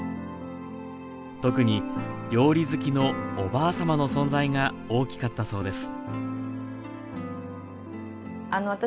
特に料理好きのおばあ様の存在が大きかったそうです